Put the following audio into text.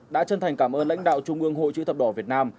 đã chân thành cảm ơn lãnh đạo trung ương hội chữ thập đỏ việt nam